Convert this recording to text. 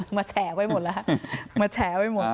มาแฉหมดแล้วมาแฉไว้หมด